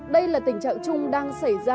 đây là tình trạng chung đang xảy ra